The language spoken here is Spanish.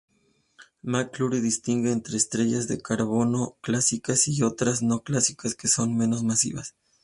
McClure distingue entre "estrellas de carbono clásicas", y otras "no-clásicas" que son menos masivas.